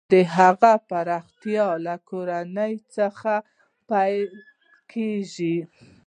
د هغو پراختیا له کورنۍ څخه پیل کیږي.